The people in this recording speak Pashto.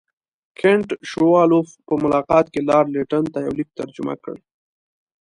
کنټ شووالوف په ملاقات کې لارډ لیټن ته یو لیک ترجمه کړ.